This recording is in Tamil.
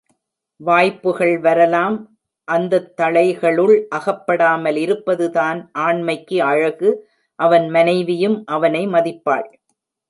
வாய்ப்புகள் வரலாம் அந்தத் தளைகளுள் அகப்படாமல் இருப்பதுதான் ஆண்மைக்கு அழகு அவன் மனைவியும் அவனை மதிப்பாள்.